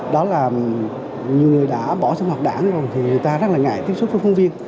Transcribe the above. đó là nhiều người đã bỏ xuống hoạt đảng thì người ta rất là ngại tiếp xúc với phóng viên